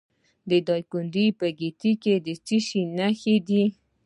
د دایکنډي په ګیتي کې د څه شي نښې دي؟